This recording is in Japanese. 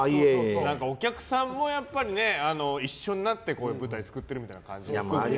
お客さんも一緒になって舞台作ってるみたいな感じで。